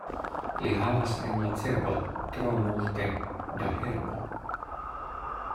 Li havas en la cerbo tro multe da herbo.